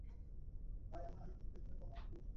গরম বালুর ভেতর চাল ঢেলে নাড়তে থাকলে চাল ফুটে মুড়ি তৈরি হয়।